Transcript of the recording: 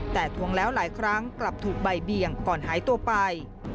แต่ทวงแล้วหลายครั้งกลับถูกใบเบี่ยงก่อนหายตัวไป